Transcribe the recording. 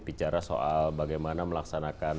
bicara soal bagaimana melaksanakan